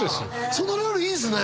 そのルールいいですね